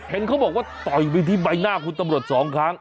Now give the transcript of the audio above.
เห็นเขาบอกว่าต่อยไปที่ใบหน้าคุณตำรวจสองครั้ง